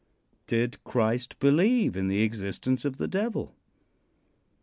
Did Christ believe in the existence of the Devil?